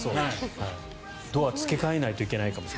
ドア付け替えないといけないかも。